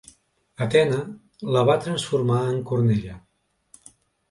Atena la va transformar en cornella.